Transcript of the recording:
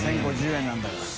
１０５０円なんだから。